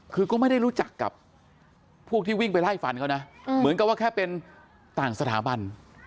คือก็ไม่ได้รู้จักกับพวกที่วิ่งไปไล่ฟันเขานะเหมือนกับว่าแค่เป็นต่างสถาบัน